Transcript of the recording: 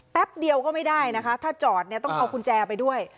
แป๊บเดียวก็ไม่ได้นะคะถ้าจอดเนี่ยต้องเอากุญแจไปด้วย